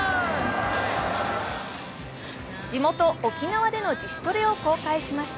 地元・沖縄での自主トレを公開しました。